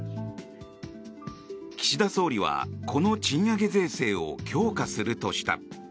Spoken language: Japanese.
岸田総理は、この賃上げ税制を強化するとした。